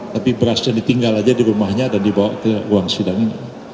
tapi berasnya ditinggal aja di rumahnya dan dibawa ke ruang sidangnya